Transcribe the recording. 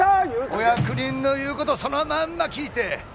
お役人の言うことそのまんま聞いて